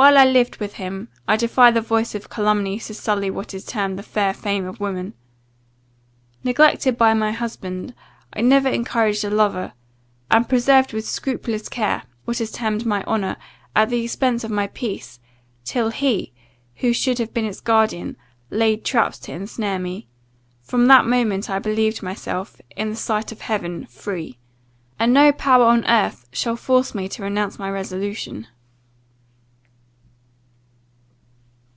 While I lived with him, I defy the voice of calumny to sully what is termed the fair fame of woman. Neglected by my husband, I never encouraged a lover; and preserved with scrupulous care, what is termed my honour, at the expence of my peace, till he, who should have been its guardian, laid traps to ensnare me. From that moment I believed myself, in the sight of heaven, free and no power on earth shall force me to renounce my resolution."